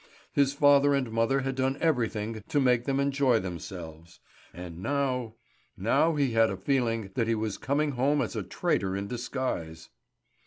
His father and mother had done everything to make them enjoy themselves. And now? Now he had a feeling that he was coming home as a traitor in disguise.